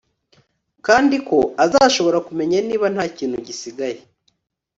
Kandi ko azashobora kumenya niba ntakintu gisigaye